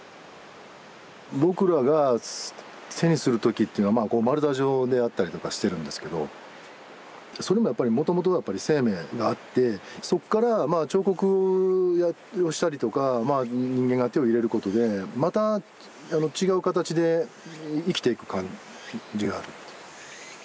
僕らが手にする時っていうのは丸太状であったりとかしてるんですけどそれもやっぱりもともとはやっぱり生命があってそっからまあ彫刻をしたりとかまあ人間が手を入れることでまた違う形で生きていく感じがある。